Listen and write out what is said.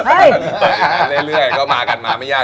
เปิดอีกนานได้เรื่อยก็มากันมาไม่ยาก